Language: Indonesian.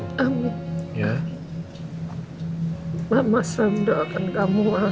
masalah masalah yang doakan kamu